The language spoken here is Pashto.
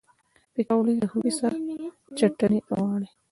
پکورې له هوږې سره چټني غواړي